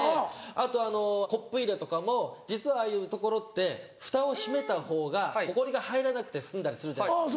あとコップ入れとかも実はああいうところってふたを閉めた方がほこりが入らなくて済んだりするじゃないですか。